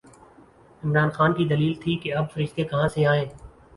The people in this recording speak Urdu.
عمران خان کی دلیل تھی کہ اب فرشتے کہاں سے آئیں؟